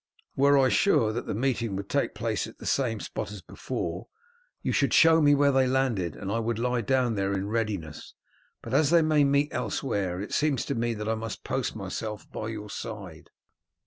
Were I sure that the meeting would take place at the same spot as before you should show me where they landed, and I would lie down there in readiness, but as they may meet elsewhere, it seems to me that I must post myself by your side."